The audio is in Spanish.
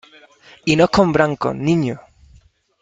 ¡ y no es con blancos , niño !